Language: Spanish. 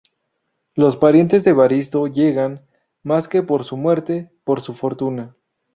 Los parientes de Evaristo llegan, más que por su muerte, por su fortuna.